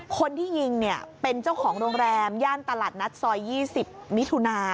คนที่ยิงเนี่ยเป็นเจ้าของโรงแรมย่านตลาดนัดซอย๒๐มิถุนา